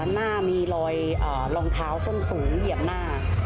หน้ามีรอยรองเท้าส้นสูงเหยียบหน้า